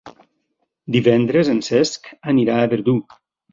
Divendres en Cesc anirà a Verdú.